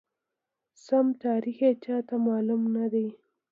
سم تاریخ یې چاته معلوم ندی،